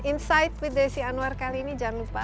insight with desi anwar kali ini jangan lupa